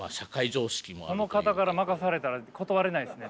この方から任されたら断れないですね